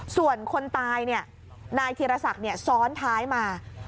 ส่วนคนตายนายธีรศักดิ์ซ้อนท้ายมา